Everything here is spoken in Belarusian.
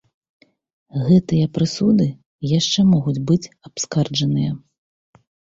Гэтыя прысуды яшчэ могуць быць абскарджаныя.